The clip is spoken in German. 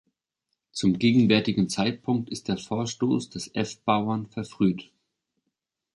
Zum gegenwärtigen Zeitpunkt ist der Vorstoß des f-Bauern verfrüht".